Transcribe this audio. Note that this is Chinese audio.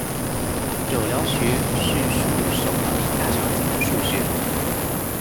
肘髎穴是属于手阳明大肠经的腧穴。